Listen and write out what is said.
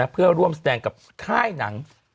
เพื่อร่วมแสดงกับค่ายหนัง